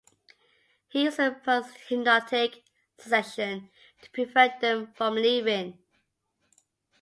He uses a post-hypnotic suggestion to prevent them from leaving.